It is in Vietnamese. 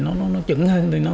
nó chững hơn